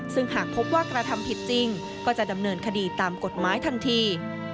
ซึ่งหากพบว่ากระทำผิดจริงก็จะดำเนินคดีตามกฎหมายทันที